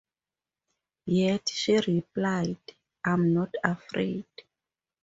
Yet, she replied 'I'm not afraid.